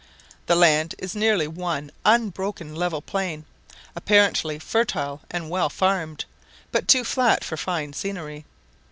The land is nearly one unbroken level plain, apparently fertile and well farmed, but too flat for fine scenery.